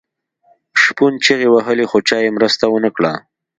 شپون چیغې وهلې خو چا یې مرسته ونه کړه.